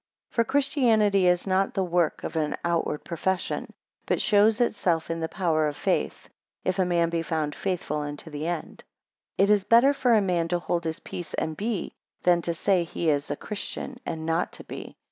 17 For Christianity is not the work of an outward profession; but shows itself in the power of faith, if a man be found faithful unto the end. 18 It is better for a man to hold his peace, and be; than to say, he is a Christian, and not to be.